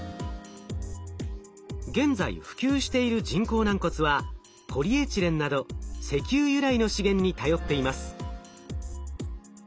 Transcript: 現在普及している人工軟骨はポリエチレンなど石油由来の資源に頼っています。